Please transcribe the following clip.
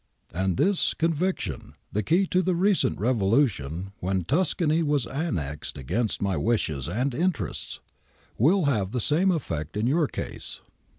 And this conviction, the key to the recent revolution, when Tuscany was annexed against my wishes and interests, will have the same effect in your case.